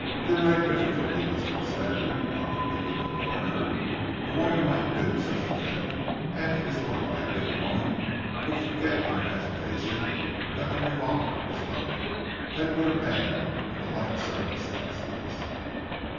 "There I differ from you Mr. Inspector," contradicted the Coroner, "a woman might do such a thing, and it is more likely a woman would forget in her agitation that the revolver was loaded, than would a man in the like circumstances."